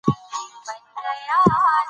زما په لنګې درد دي